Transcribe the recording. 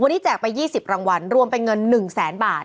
วันนี้แจกไป๒๐รางวัลรวมเป็นเงิน๑แสนบาท